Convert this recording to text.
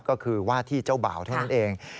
ก็คือว่าที่เจ้าบ่าวเท่านั้นเอง